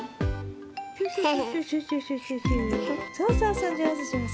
そうそうそう。